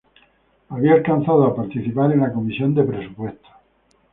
Había alcanzado a participar en la Comisión de Presupuesto.